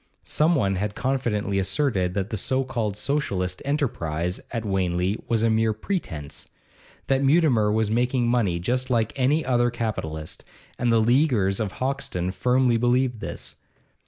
Some one had confidently asserted that the so called Socialistic enterprise at Wanley was a mere pretence, that Mutimer was making money just like any other capitalist, and the leaguers of Hoxton firmly believed this.